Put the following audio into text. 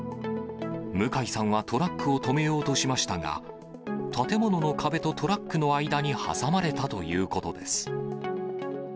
向井さんはトラックを止めようとしましたが、建物の壁とトラックの間に挟まれたということです。